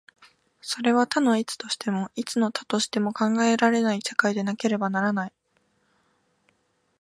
それは多の一としても、一の多としても考えられない世界でなければならない。